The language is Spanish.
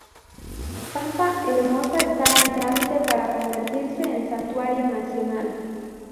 Pampa Hermosa esta en trámite para convertirse en Santuario Nacional.